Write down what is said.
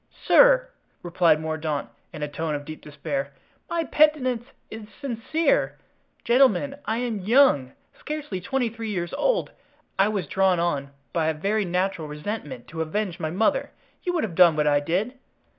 "Sir!" replied Mordaunt, in a tone of deep despair, "my penitence is sincere. Gentlemen, I am young, scarcely twenty three years old. I was drawn on by a very natural resentment to avenge my mother. You would have done what I did."